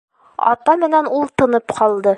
Ата менән ул тынып ҡалды.